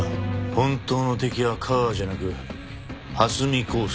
本当の敵は架川じゃなく蓮見光輔だった。